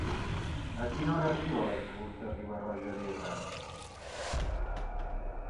A quina hora arriba l'autobús de Riba-roja d'Ebre?